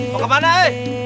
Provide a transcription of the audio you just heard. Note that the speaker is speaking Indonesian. mau ke mana eh